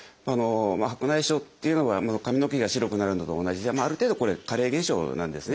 白内障っていうのは髪の毛が白くなるのと同じである程度これ加齢現象なんですね。